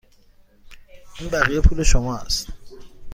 این بقیه پول شما است.